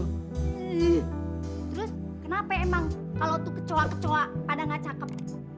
hmm terus kenapa emang kalau tuh kecoa kecoa pada gak cakep